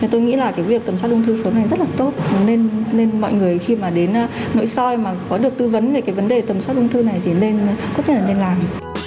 tôi nghĩ việc tầm soát ung thư sớm này rất là tốt nên mọi người khi đến nội soi có được tư vấn về vấn đề tầm soát ung thư này thì nên làm